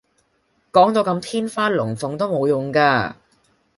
講到咁天花龍鳳都無用架